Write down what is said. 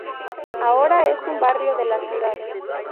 Ahora es un barrio de la ciudad.